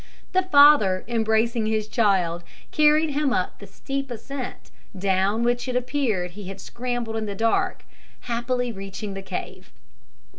The father, embracing his child, carried him up the steep ascent, down which it appeared he had scrambled in the dark, happily reaching the cave.